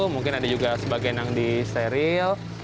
mungkin ada juga sebagian yang disteril